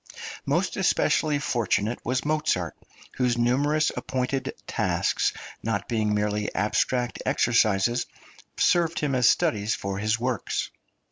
Most especially fortunate was Mozart, whose numerous appointed tasks, not being merely abstract exercises, served him as studies for his works.